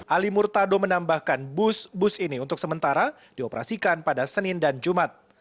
ali murtado menambahkan bus bus ini untuk sementara dioperasikan pada senin dan jumat